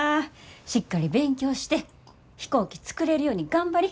しっかり勉強して飛行機作れるように頑張り。